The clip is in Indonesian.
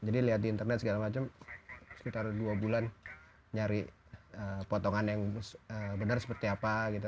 jadi lihat di internet segala macam sekitar dua bulan nyari potongan yang benar seperti apa gitu